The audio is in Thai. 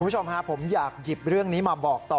คุณผู้ชมฮะผมอยากหยิบเรื่องนี้มาบอกต่อ